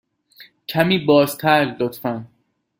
کمی بازتر، لطفاً.